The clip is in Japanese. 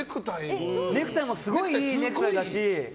ネクタイもすごいいいネクタイだし。